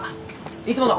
いつもの！